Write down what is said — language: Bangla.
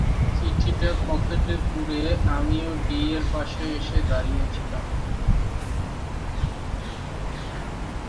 চিঠিটা পকেটে পুরে আমিও ডি-এর পাশে এসে দাঁড়িয়েছিলাম।